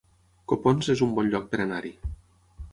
Copons es un bon lloc per anar-hi